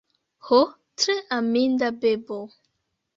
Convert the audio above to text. Ho, tre aminda bebo!